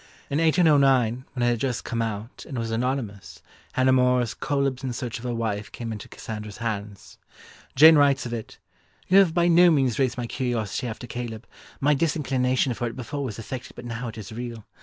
In 1809, when it had just come out, and was anonymous, Hannah More's Cœlebs in Search of a Wife came into Cassandra's hands. Jane writes of it: "You have by no means raised my curiosity after Caleb. My disinclination for it before was affected but now it is real.